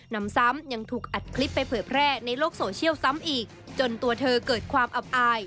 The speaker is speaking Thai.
นำซ้ำยังถูกอัดคลิปไปเผยแพร่ในโลกโซเชียลซ้ำอีกจนตัวเธอเกิดความอับอาย